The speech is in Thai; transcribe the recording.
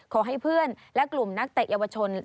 ขอให้เพื่อนและกลุ่มนักเตะเยาวชน